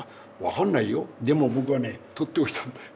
でも僕はね取っておいたんだよ。